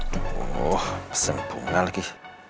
tuh pesen bunga lagi